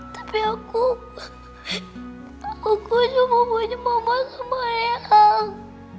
tapi aku aku cuma punya mama sama ayang